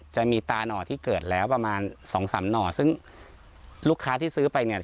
จะมีตาหน่อที่เกิดแล้วประมาณสองสามหน่อซึ่งลูกค้าที่ซื้อไปเนี่ย